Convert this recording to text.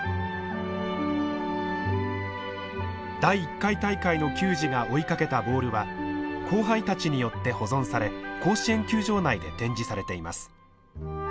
第１回大会の球児が追いかけたボールは後輩たちによって保存され甲子園球場内で展示されています。